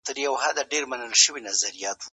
ماشوم په خپله موسکا سره د ثمر ګل ستړیا له منځه یووړه.